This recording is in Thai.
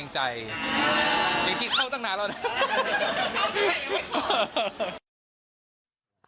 จริงเข้าตั้งนานแล้วนะ